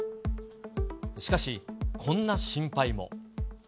しかし、こんな心配も。